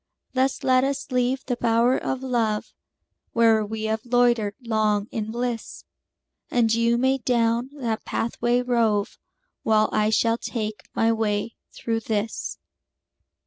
Thus let us leave the bower of love, Where we have loitered long in bliss; And you may down that pathway rove, While I shall take my way through this.